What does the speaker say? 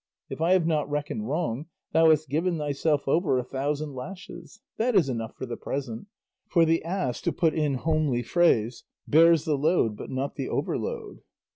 If I have not reckoned wrong thou hast given thyself over a thousand lashes; that is enough for the present; 'for the ass,' to put it in homely phrase, 'bears the load, but not the overload.